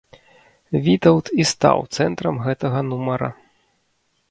Вітаўт і стаў цэнтрам гэтага нумара.